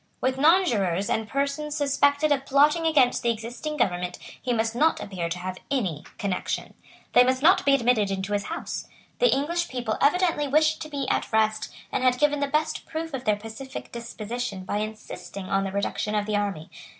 With nonjurors and persons suspected of plotting against the existing government he must not appear to have any connection. They must not be admitted into his house. The English people evidently wished to be at rest, and had given the best proof of their pacific disposition by insisting on the reduction of the army.